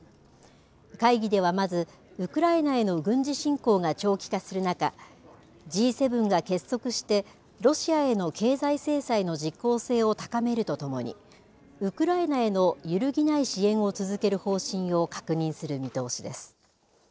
会議ではまずウクライナへの軍事侵攻が長期化する中Ｇ７が結束してロシアへの経済制裁の実効性を高めるとともにウクライナへの揺るぎない支援を続ける方針を確認する見通しです。